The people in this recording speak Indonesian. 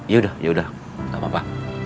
yaudah yaudah gak apa apa